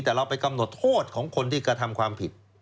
แต่เราไปกำหนดโทษของคนที่กระทำความผิด